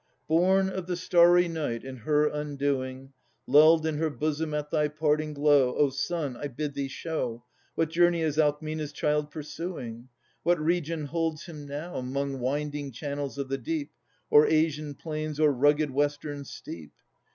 Born of the starry night in her undoing, I 1 Lulled in her bosom at thy parting glow, O Sun! I bid thee show, What journey is Alcmena's child pursuing? What region holds him now, 'Mong winding channels of the deep, Or Asian plains, or rugged Western steep?